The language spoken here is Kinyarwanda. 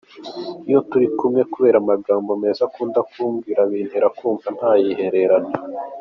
Iyo turi kumwe kubera amagambo meza akunda kumbwira bintera kumva ko ntayihererana.